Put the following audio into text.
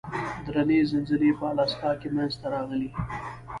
درنې زلزلې په الاسکا کې منځته راغلې.